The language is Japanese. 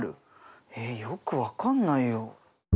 えよく分かんないよ。